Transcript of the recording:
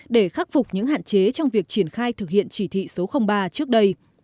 để khắc phục những hạn chế trong việc triển khai thực hiện chỉ thị số ba trước đây